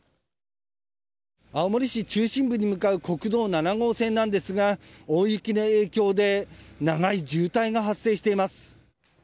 青森市中心部に向かう国道７号線なんですが、大雪の影響で長い渋滞が発生しています。